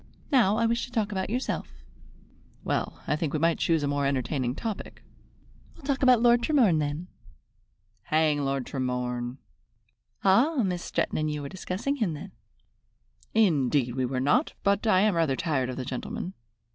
Now I wish to talk about yourself." "Well, I think we might choose a more entertaining topic." "We'll talk about Lord Tremorne then." "Hang Lord Tremorne!" "Ah, Miss Stretton and you were discussing him then?" "Indeed we were not, but I am rather tired of the gentleman.